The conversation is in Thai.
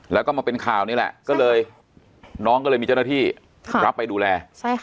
แล้วก็มาเป็นข่าวนี่แหละก็เลยน้องก็เลยมีเจ้าหน้าที่รับไปดูแล